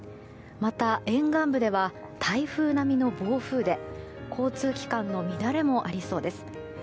また、沿岸部では台風並みの暴風で交通機関の乱れもありそうです。